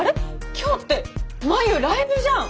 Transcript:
今日って真夕ライブじゃん！